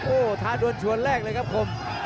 โอ้โหทาดวนชวนแรกเลยครับคม